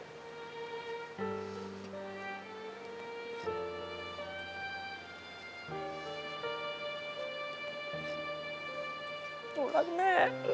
หนูรักแม่